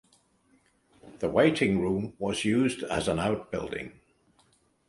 The waiting room was used as an out building.